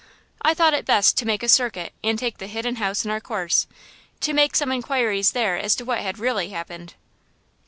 I thought it best to make a circuit and take the Hidden House in our course, to make some inquiries there as to what had really happened.